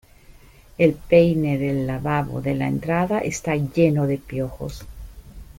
El peine del lavabo de la entrada está llena de piojos.